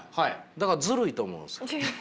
だからずるいと思うんです。